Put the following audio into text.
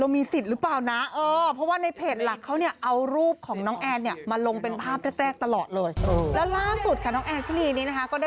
นี่ลุ้นนะเรามีสิทธิ์หรือเปล่านะ